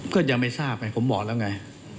ก็ยังไม่ทราบไงผมบอกแล้วไง